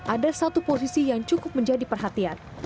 ada satu posisi yang cukup menjadi perhatian